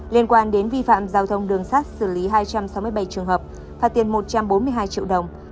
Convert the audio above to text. liên quan đến vi phạm giao thông đường sát xử lý hai trăm sáu mươi bảy trường hợp phạt tiền một trăm bốn mươi hai triệu đồng